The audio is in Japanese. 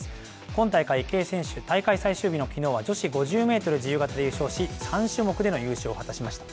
今大会、池江選手、大会最終日のきのうは、女子５０メートル自由形で優勝し、３種目での優勝を果たしました。